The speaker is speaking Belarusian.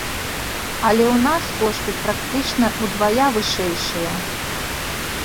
Але ў нас кошты практычна ўдвая вышэйшыя.